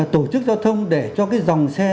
tổ chức giao thông để cho cái dòng xe